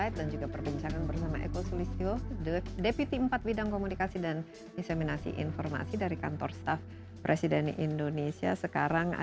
terima kasih pak